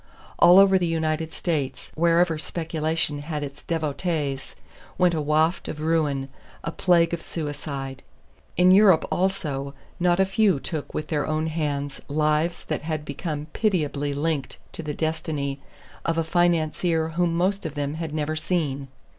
All over the United States, wherever speculation had its devotees, went a waft of ruin, a plague of suicide. In Europe also not a few took with their own hands lives that had become pitiably linked to the destiny of a financier whom most of them had never seen.